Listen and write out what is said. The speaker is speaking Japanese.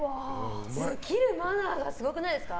切るマナーがすごくないですか？